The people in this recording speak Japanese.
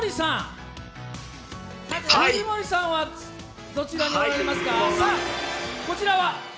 藤森さんはどちらにおられますか？